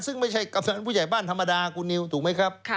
ซึ่งไม่ใช่กำนันผู้ใหญ่บ้านธรรมดาคุณนิวถูกไหมครับ